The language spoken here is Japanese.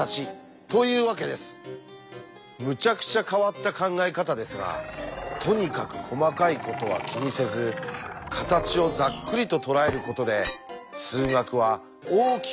むちゃくちゃ変わった考え方ですがとにかく細かいことは気にせず形をざっくりととらえることで数学は大きく発展したんだそうです。